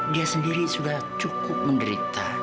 dia sendiri sudah cukup menderita